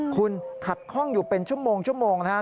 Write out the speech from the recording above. คุณขัดคล่องอยู่เป็นชั่วโมงนะฮะ